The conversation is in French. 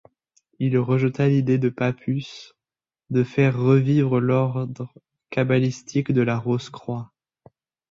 Il rejeta l’idée de Papus de faire revivre l’Ordre kabbalistique de la Rose-Croix.